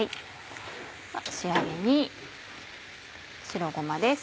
仕上げに白ごまです。